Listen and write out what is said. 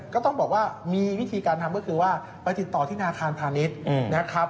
ก็ต้องบอกว่ามีวิธีการทำก็คือว่าไปติดต่อที่ธนาคารพาณิชย์นะครับ